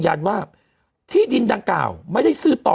มันติดคุกออกไปออกมาได้สองเดือน